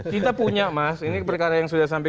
kita punya mas ini perkara yang sudah sampai